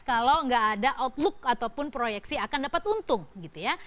kalau nggak ada outlook ataupun proyeksi akan dapat untung gitu ya